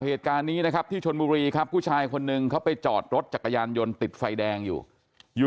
เหตุการณ์นี้นะครับที่ชนบุรีครับผู้ชายคนหนึ่งเขาไปจอดรถจักรยานยนต์ติดไฟแดงอยู่อยู่